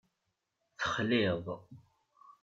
Texliḍ.